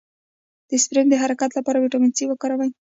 د سپرم د حرکت لپاره ویټامین سي وکاروئ